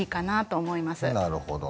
なるほど。